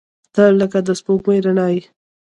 • ته لکه د سپوږمۍ رڼا یې.